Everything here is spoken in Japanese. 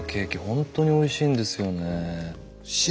本当においしいんですよね。